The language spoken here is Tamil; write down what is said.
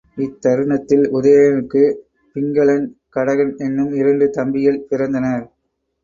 இத்தருணத்தில் உதயணனுக்குப் பிங்கலன், கடகன் என்னும் இரண்டு தம்பிகள் பிறந்தனர்.